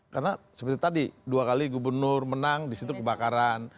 karena seperti tadi dua kali gubernur menang di situ kebakaran